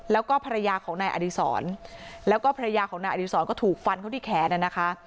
แล้วก็ภรรยาของนายอดีศรแล้วก็ภรรยาของนายอดีศรก็ถูกฟันเขาที่แขนนะคะ